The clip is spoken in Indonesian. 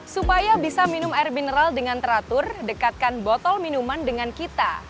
supaya bisa minum air mineral dengan teratur dekatkan botol minuman dengan kita